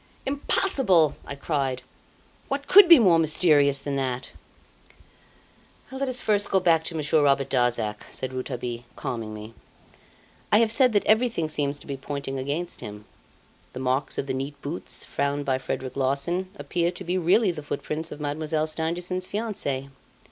"Impossible!" I cried, "What could be more mysterious than that?" "Let us first go back to Monsieur Robert Darzac," said Rouletabille, calming me. "I have said that everything seems to be pointing against him. The marks of the neat boots found by Frederic Larsan appear to be really the footprints of Mademoiselle Stangerson's fiance.